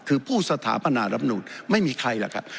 คือผู้สถาปนารัฐมนตร์ไม่มีใครละครับ